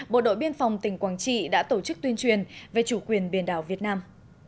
bộ đội biên phòng tỉnh quảng trị đã tổ chức tuyên truyền về chủ quyền biển đảo việt nam